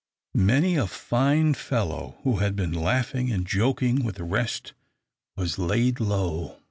Many a fine fellow who had been laughing and joking with the rest was laid low.